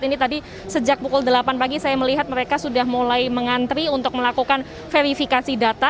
ini tadi sejak pukul delapan pagi saya melihat mereka sudah mulai mengantri untuk melakukan verifikasi data